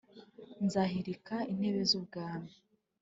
Nzahirika intebe z’ubwami